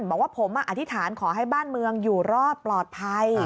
บอกว่าผมอธิษฐานขอให้บ้านเมืองอยู่รอดปลอดภัย